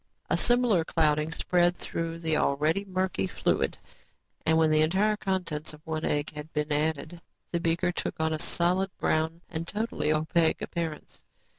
A similar clouding spread through the already murky fluid and when the entire contents of one egg had been added, the beaker took on a solid, brown and totally opaque appearance.